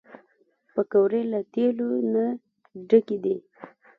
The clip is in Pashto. پکورې له تیلو نه ډکې دي